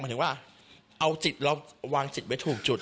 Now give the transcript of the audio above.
หมายถึงว่าเอาจิตแล้ววางจิตไว้ถูกจุด